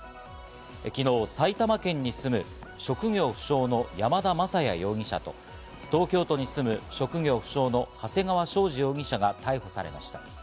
昨日、埼玉県に住む職業不詳の山田雅也容疑者と東京都に住む職業不詳の長谷川将司容疑者が逮捕されました。